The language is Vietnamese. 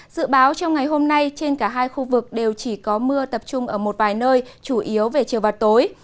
dự báo trong ngày hôm nay trên cả hai khu vực đều chỉ có mưa tập trung ở một vài nơi chủ yếu về chiều và tối